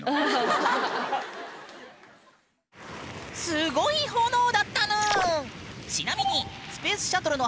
すごい炎だったぬん！